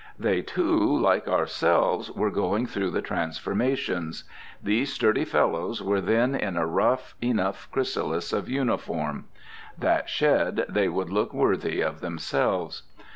They, too, like ourselves, were going through the transformations. These sturdy fellows were then in a rough enough chrysalis of uniform. That shed, they would look worthy of themselves.